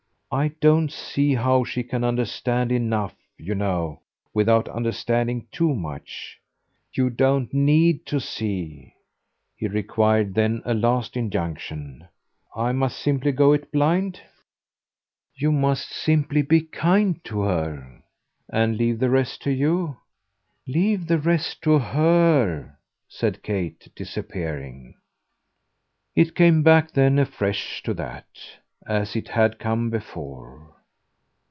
"I don't see how she can understand enough, you know, without understanding too much." "You don't need to see." He required then a last injunction. "I must simply go it blind?" "You must simply be kind to her." "And leave the rest to you?" "Leave the rest to HER," said Kate disappearing. It came back then afresh to that, as it had come before.